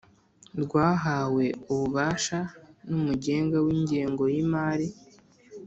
rwahawe ububasha n Umugenga w Ingego y Imari